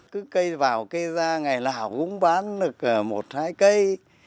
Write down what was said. cứ cây vào cây ra ngày nào cũng bán được một hai cây